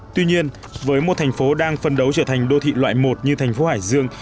tuy nhiên với một thành phố đang phân đấu trở thành đô thị loại một như thành phố hải dương